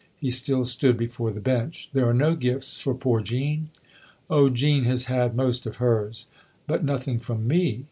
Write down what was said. He still stood before the bench. " There are no gifts for poor Jean ?"" Oh, Jean has had most of hers." " But nothing from me."